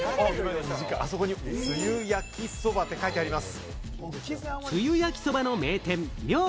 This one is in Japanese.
あそこに「つゆやきそば」と書いてあります。